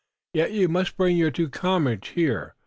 "Yet you must bring your two comrades here.